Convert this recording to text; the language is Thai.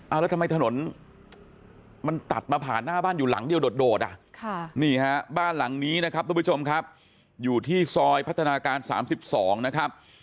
เอาแล้วทำไมถนนมันตัดมาผ่านหน้าบ้านอยู่หลังเดียวโดดอ่ะนี่ฮะบ้านหลังนี้นะครับทุกผู้ชมครับอยู่ที่ซอยพัฒนาการ๓๒นะครับ